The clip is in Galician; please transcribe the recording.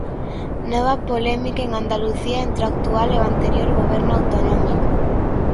Nova polémica en Andalucía entre o actual e o anterior Goberno autonómico.